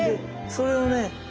それをね